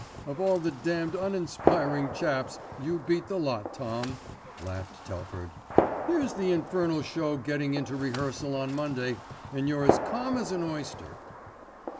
"Of all the damned uninspiring chaps, you beat the lot, Tom," laughed Telford. "Here's the infernal show getting into rehearsal on Monday, and you're as calm as an oyster."